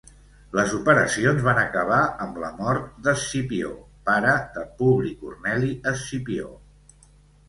Les operacions van acabar amb la mort d'Escipió, pare de Publi Corneli Escipió.